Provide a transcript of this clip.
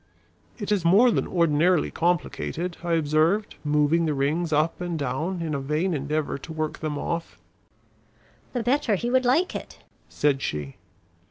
"It is more than ordinarily complicated," I observed, moving the rings up and down in a vain endeavor to work them off. "The better he would like it," said she.